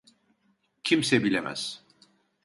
Kimse bilemez.